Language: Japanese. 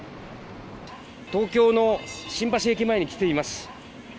東京の新橋駅前に来ています。